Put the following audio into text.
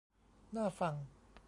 น่าฟัง